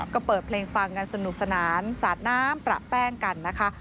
ก็เปิดเพลงฟังกันสนุกสนานสาดน้ำประแป้งกันนะคะ